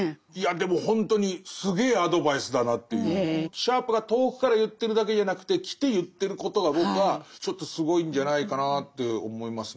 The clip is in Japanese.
シャープが遠くから言ってるだけじゃなくて来て言ってることが僕はちょっとすごいんじゃないかなって思いますね。